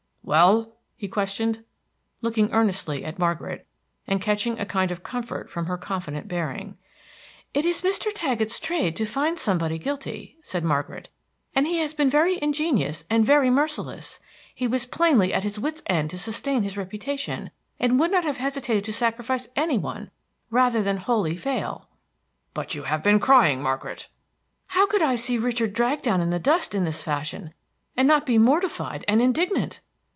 "Well?" he questioned, looking earnestly at Margaret, and catching a kind of comfort from her confident bearing. "It is Mr. Taggett's trade to find somebody guilty," said Margaret, "and he has been very ingenious and very merciless. He was plainly at his wits' ends to sustain his reputation, and would not have hesitated to sacrifice any one rather than wholly fail." "But you have been crying, Margaret." "How could I see Richard dragged down in the dust in this fashion, and not be mortified and indignant?"